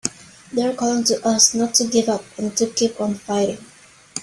They're calling to us not to give up and to keep on fighting!